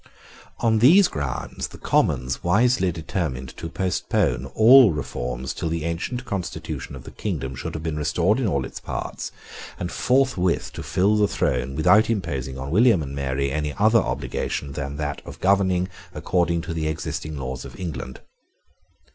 On these grounds the Commons wisely determined to postpone all reforms till the ancient constitution of the kingdom should have been restored in all its parts, and forthwith to fill the throne without imposing on William and Mary any other obligation than that of governing according to the existing laws of England.